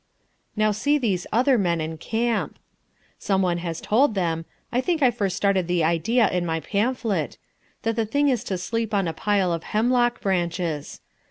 Now see these other men in camp. Someone has told them I think I first started the idea in my pamphlet that the thing is to sleep on a pile of hemlock branches.